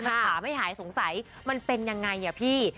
มันขาไม่หายสงสัยมันเป็นยังไงอ่ะพี่